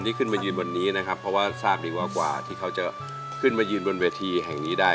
ขึ้นมายืนบนนี้นะครับเพราะว่าทราบดีว่ากว่าที่เขาจะขึ้นมายืนบนเวทีแห่งนี้ได้